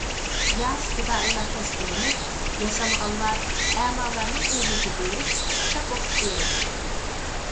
ياش پىدائىيلار تەشكىللىنىپ ياشانغانلار، ئەمالارنىڭ ئۆيلىرىگە بېرىپ، كىتاب ئوقۇپ بېرىدۇ.